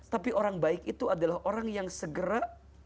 tapi orang baik itu adalah orang yang segera